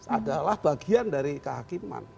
adalah bagian dari kehakiman